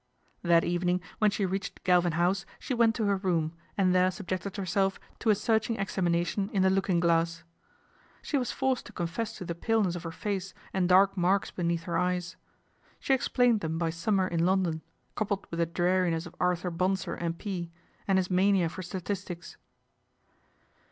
That evening when she reached Galvin House he went to her room, and there subjected herself o a searching examination in the looking glass, ihe was forced to confess to the paleness of her ce and dark marks beneatn her eyes. She ex lained them by summer in London, coupled ith the dreariness of Arthur Bonsor, M.P., and is mania for statistics.